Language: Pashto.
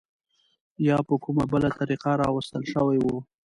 یا په کومه بله طریقه راوستل شوي وو.